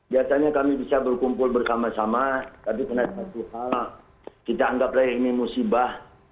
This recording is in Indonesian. biasanya kami bisa berkumpul bersama sama tapi karena berdua kita anggap raya ini musibah